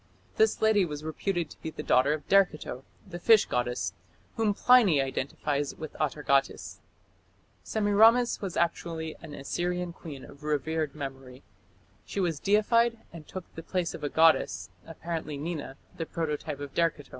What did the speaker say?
This lady was reputed to be the daughter of Derceto, the fish goddess, whom Pliny identified with Atargatis. Semiramis was actually an Assyrian queen of revered memory. She was deified and took the place of a goddess, apparently Nina, the prototype of Derceto.